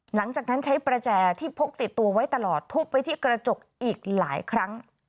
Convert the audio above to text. หลังจากนั้นใช้ประแจที่พกติดตัวไว้ตลอดทุบไปที่กระจกอีกหลายครั้ง